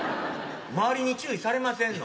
周りに注意されませんの？